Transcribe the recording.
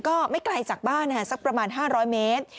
ก็ไม่ไกลจากบ้านสักประมาณ๕๐๐เมตร